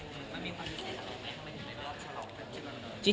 มันมีความพิเศษหรือเปล่าทำไมไม่ได้รอบเฉลาแบบนี้กันเลย